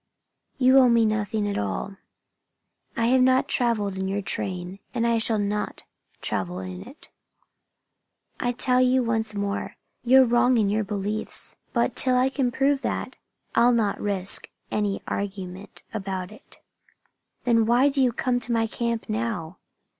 "You owe me nothing at all. I have not traveled in your train, and I shall not travel in it. I tell you once more, you're wrong in your beliefs; but till I can prove that I'll not risk any argument about it." "Then why do you come to my camp now?"